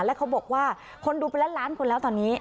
แล้วเขาบอกว่าคนดูเป็นล้านล้านคนแล้วตอนนี้